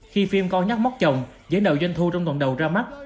khi phim con nhóc móc chồng giới đầu doanh thu trong tuần đầu ra mắt